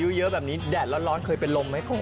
เตะแรดร้อนเคยไปลมไหม